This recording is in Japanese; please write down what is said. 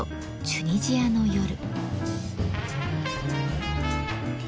「チュニジアの夜」。